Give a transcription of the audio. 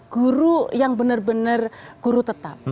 guru yang benar benar guru tetap